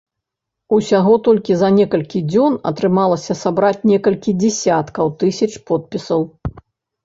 Усяго толькі за некалькі дзён атрымалася сабраць некалькі дзесяткаў тысяч подпісаў.